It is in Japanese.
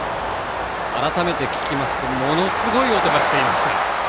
改めて聞きますとものすごい音がしていました。